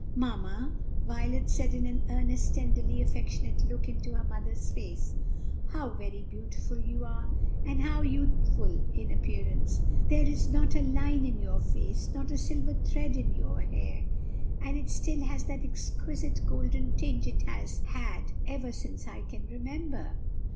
"Mamma," Violet said with an earnest, tenderly affectionate look into her mother's face, "how very beautiful you are! and how youthful in appearance! there is not a line in your face, not a silver thread in your hair, and it still has that exquisite golden tinge it has had ever since I can remember."